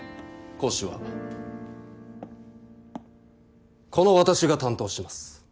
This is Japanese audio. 講師はこの私が担当します。